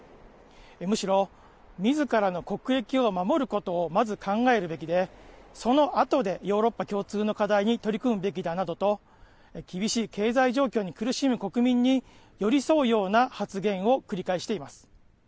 むしろ、みずからの国益を守ることをまず考えるべきで、そのあとでヨーロッパ共通の課題に取り組むべきだなどと、厳しい経済状況に苦しむ国民に寄り添うような発言を繰り返しています。